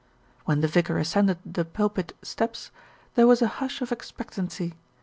When the vicar ascended the pulpit steps, there was a hush of expectancy.